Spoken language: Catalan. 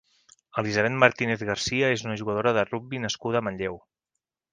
Elisabet Martínez García és una jugadora de rugbi nascuda a Manlleu.